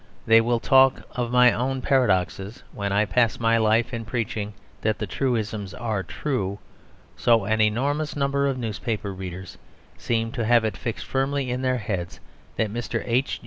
they will talk of my own paradoxes, when I pass my life in preaching that the truisms are true; so an enormous number of newspaper readers seem to have it fixed firmly in their heads that Mr. H.